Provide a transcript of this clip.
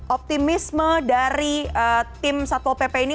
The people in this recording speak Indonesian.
optimisme dari tim satpol pp ini